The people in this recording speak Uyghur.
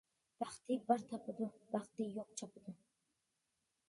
بەختى بار تاپىدۇ، بەختى يوق چاپىدۇ.